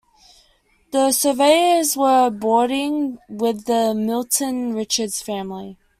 The surveyors were boarding with the Milton Richards family.